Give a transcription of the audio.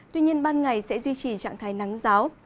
tuy nhiên ban ngày sẽ duy trì trạng thái nắng giáo